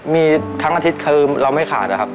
มีทั้งอาทิตย์คือเราไม่ขาดนะครับ